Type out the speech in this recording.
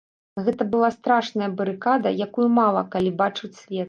Гэта была страшная барыкада, якую мала калі бачыць свет.